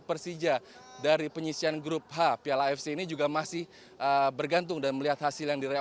persiaan grup h piala fc ini juga masih bergantung dan melihat hasil yang diraih